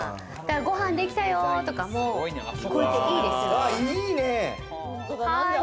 ご飯できたよとかも聞こえていいですよね。